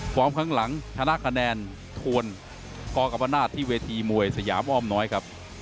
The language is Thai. ข้างหลังชนะคะแนนทวนกกรรมนาศที่เวทีมวยสยามอ้อมน้อยครับ